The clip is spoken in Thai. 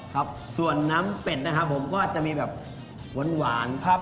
ครับส่วนน้ำเป็ดนะครับผมก็จะมีแบบหวานครับ